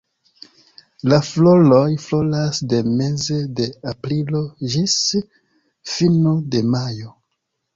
La floroj floras de meze de aprilo ĝis fino de majo.